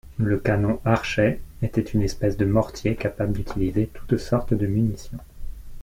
Le Canon Archer était une espèce de mortier capable d'utiliser toutes sortes de munitions.